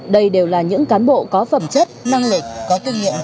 đây đều là những cán bộ có phẩm chất năng lực